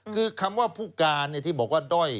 คือคำว่าภูติการที่บอกว่า